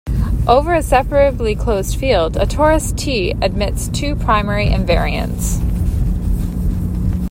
Over a separably closed field, a torus "T" admits two primary invariants.